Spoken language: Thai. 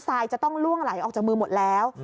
ทยจะต้องล่วงไหลออกจากมือหมดแล้ว